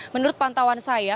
menurut pantauan saya